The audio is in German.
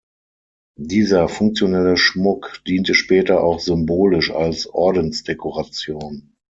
Dieser funktionelle Schmuck diente später auch symbolisch als Ordensdekoration.